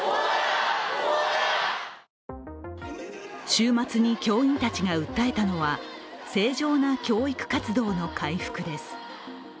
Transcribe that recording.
週末に教員たちが訴えたのは正常な教育活動の回復です。